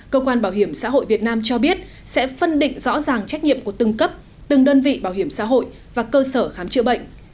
cơ quan bảo hiểm xã hội việt nam cho biết sẽ phân định rõ ràng trách nhiệm của từng cấp từng đơn vị bảo hiểm xã hội và cơ sở khám chữa bệnh